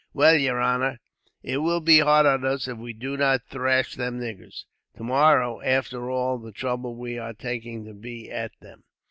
Well, yer honor, it will be hard on us if we do not thrash them niggers, tomorrow, after all the trouble we are taking to be at them."